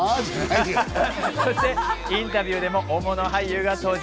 そしてインタビューでも大物俳優が登場。